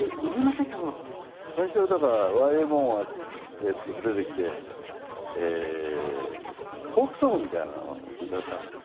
最初はだからＹＭＯが出てきてフォークソングみたいなのを歌ったんだよ